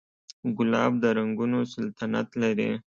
ګلاب د رنګونو سلطنت لري.